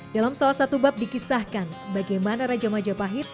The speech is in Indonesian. dalam salah satu bab dikisahkan bagaimana raja majapahit